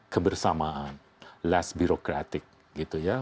kebersamaan less birokratik gitu ya